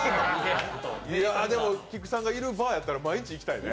菊池さんがいるバーやったら毎日行きたいね。